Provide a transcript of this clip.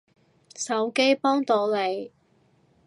手機幫到你